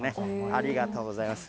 ありがとうございます。